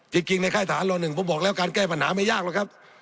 จริงในค่ายทหารลหนึ่งผมบอกแล้วการแก้ปัญหาไม่ยากหรอกครับ